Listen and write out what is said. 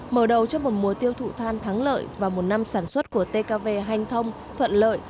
mở đầu cho một mùa tiêu thụ than thắng lợi và một năm sản xuất của tkv hành thông thuận lợi